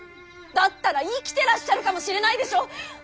だったら生きてらっしゃるかもしれないでしょう。